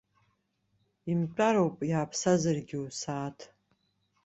Имтәароуп, иааԥсазаргьы усааҭ.